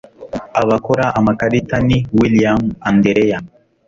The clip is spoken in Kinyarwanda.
Abakora amakarita ni William-Andereya